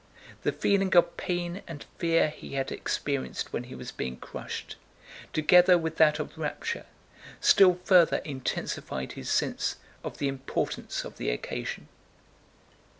The feeling of pain and fear he had experienced when he was being crushed, together with that of rapture, still further intensified his sense of the importance of the occasion.